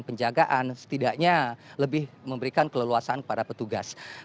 karena setidaknya lebih memberikan keleluasan kepada petugas